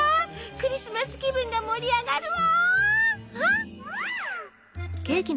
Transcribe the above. クリスマス気分が盛り上がるわ。